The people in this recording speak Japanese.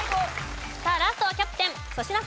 さあラストはキャプテン粗品さん。